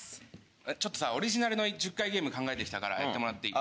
ちょっとさオリジナルの１０回ゲーム考えてきたからやってもらっていい？